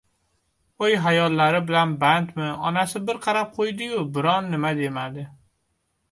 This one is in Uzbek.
O`y-xayollari bilan bandmi, onasi bir qarab qo`ydi-yu, biron nima demadi